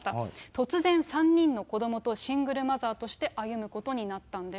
突然、３人の子どもとシングルマザーとして歩むことになったんです。